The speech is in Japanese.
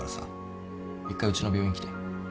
一回うちの病院来て。